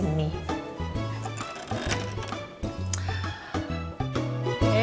ini di dalam sini